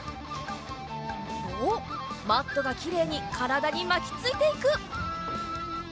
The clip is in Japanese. おっマットがきれいにからだにまきついていく。